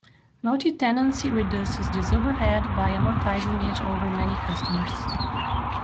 Multitenancy reduces this overhead by amortizing it over many customers.